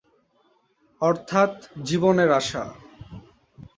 অর্থাৎ জীবনের আশা।